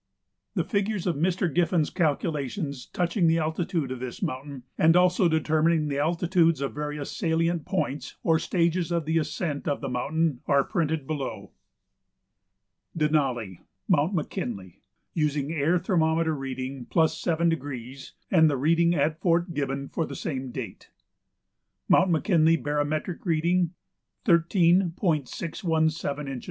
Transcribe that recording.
The figures of Mr. Giffin's calculations touching the altitude of this mountain and also determining the altitudes of various salient points or stages of the ascent of the mountain are printed below: DENALI (MOUNT McKINLEY) USING AIR THERMOMETER READING +7° AND THE READING AT FORT GIBBON FOR SAME DATE Mount McKinley, barometric reading 13.617 in.